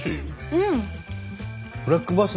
うん！